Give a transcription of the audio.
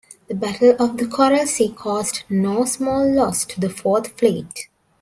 The Battle of the Coral Sea caused no small loss to the Fourth Fleet.